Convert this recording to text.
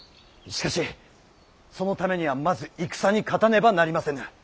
しかしそのためにはまず戦に勝たねばなりませぬ。